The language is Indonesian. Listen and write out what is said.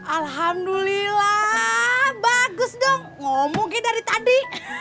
alhamdulillah bagus dong ngomongin dari tadi